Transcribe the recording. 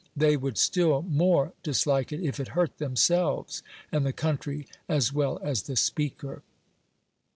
They would still more dislike it if it hurt themselves and the country as well as the speaker.